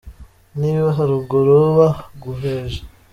Niba haruguru baguheje